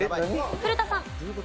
古田さん。